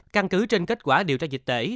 căn cứ trên kết quả điều tra dịch tễ